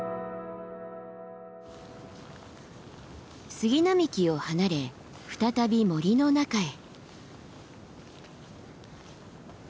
杉並木を離れ再び森の中へ。